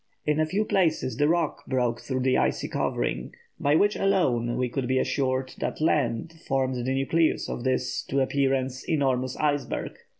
In a few places the rock broke through the icy covering, by which alone we could be assured that land formed the nucleus of this, to appearance, enormous iceberg."